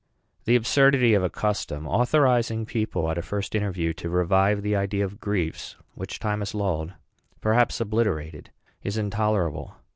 The absurdity of a custom authorizing people at a first interview to revive the idea of griefs which time has lulled, perhaps obliterated, is intolerable.